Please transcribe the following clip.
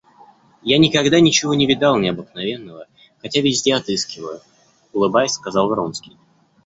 Я никогда ничего не видал необыкновенного, хотя везде отыскиваю, — улыбаясь сказал Вронский.